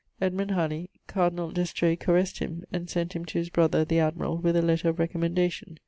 Edmund Haley: cardinall d'Estrée caressed him and sent him to his brother the admirall with a lettre of recommendation.